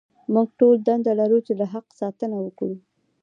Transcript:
موږ ټول دنده لرو چې له حق ساتنه وکړو.